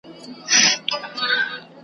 یو لوی ډنډ وو تر سایو د ونو لاندي .